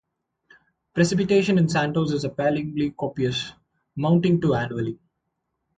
Precipitation in Santos is appallingly copious, amounting to annually.